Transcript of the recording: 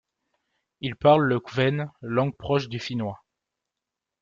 Ils parlent le kvène, langue proche du finnois.